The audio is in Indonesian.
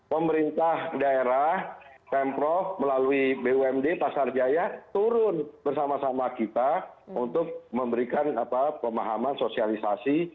pemerintah daerah pemprov melalui bumd pasar jaya turun bersama sama kita untuk memberikan pemahaman sosialisasi